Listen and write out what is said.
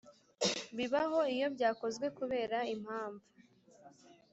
bibaho iyo byakozwe kubera impamvu